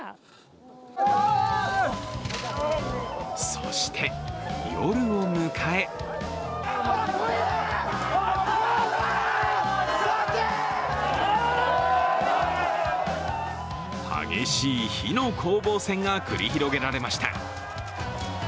そして夜を迎え激しい火の攻防戦が繰り広げられました。